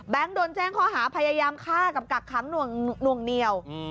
โดนแจ้งข้อหาพยายามฆ่ากับกักขังหน่วงเหนียว